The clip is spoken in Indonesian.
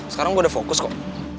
sekarang udah fokus kok